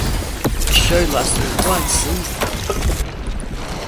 The show lasted one season.